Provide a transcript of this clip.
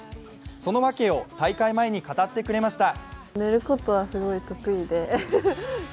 そのわけを大会前に語ってくれました。